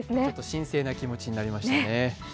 神聖な気持ちになりましたね。